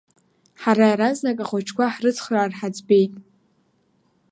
Ҳара иаразнак ахәыҷқәа ҳрыцхраар ҳаӡбеит.